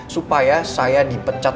supaya saya di pecat